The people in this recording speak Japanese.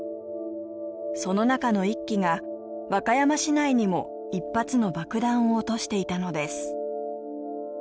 その中の一機が和歌山市内にも一発の爆弾を落としていたのです。